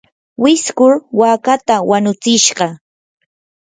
wiskur waakata wanutsishqa.